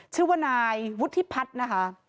ชื่อว่านายวุฒิพัฒน์นะคะ